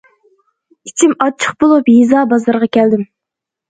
ئىچىم ئاچچىق بولۇپ، يېزا بازىرىغا كەلدىم.